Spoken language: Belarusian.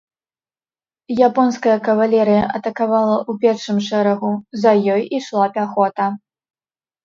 Японская кавалерыя атакавала ў першым шэрагу, за ёй ішла пяхота.